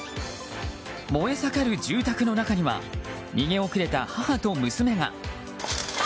燃え盛る住宅の中には逃げ遅れた母と娘が。